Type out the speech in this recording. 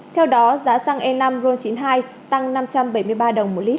theo đó giá xăng e năm ron chín mươi hai tăng năm trăm bảy mươi ba đồng một lít